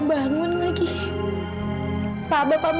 kamu yang tak payah